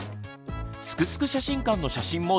「すくすく写真館」の写真も大募集！